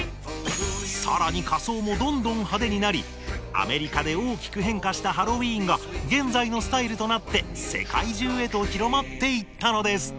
さらに仮装もどんどん派手になりアメリカで大きく変化したハロウィーンが現在のスタイルとなって世界中へと広まっていったのです